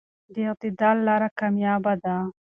د اعتدال لاره کاميابه ده.